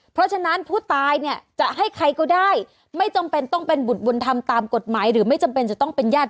เพราะฉะนั้นผู้ตายเนี่ยจะให้ใครก็ได้ไม่จำเป็นต้องเป็นบุตรบุญธรรมตามกฎหมายหรือไม่จำเป็นจะต้องเป็นญาติ